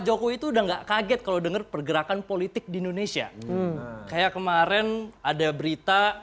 jokowi itu udah nggak kaget kalau denger pergerakan politik di indonesia kayak kemarin ada berita